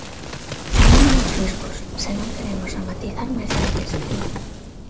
Chamémolos riscos, se non queremos dramatizar máis do necesario.